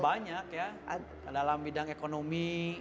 banyak ya dalam bidang ekonomi